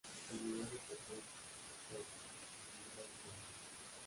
La unidad de presión torr se nombró en su memoria.